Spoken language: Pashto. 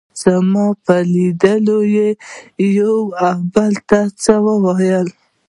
زما په لیدو یې یو او بل ته څه وویل.